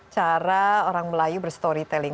cara orang melayu berstory telling